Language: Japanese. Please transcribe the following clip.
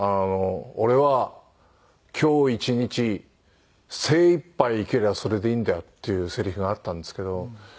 「俺は今日一日精いっぱい生きりゃそれでいいんだよ」っていうせりふがあったんですけど。